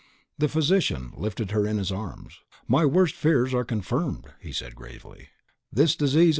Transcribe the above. The physician lifted her in his arms. "My worst fears are confirmed," he said gravely; "the disease is epilepsy."